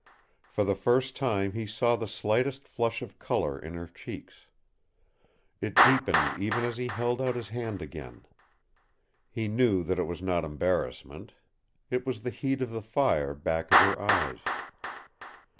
For the first time he saw the slightest flush of color in her cheeks. It deepened even as he held out his hand again. He knew that it was not embarrassment. It was the heat of the fire back of her eyes.